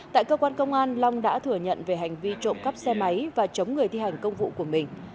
tại cơ quan công an long đã thừa nhận về hành vi trộm cắp xe máy và chống người thi hành công vụ của mình